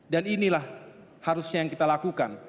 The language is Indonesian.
dan inilah harusnya yang kita lakukan